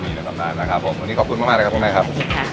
ที่เปิดปิดกี่โมงครับเปิด๙๓๐